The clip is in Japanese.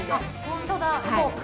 本当だ。